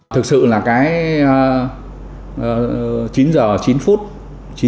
thực sự là cái chín h chín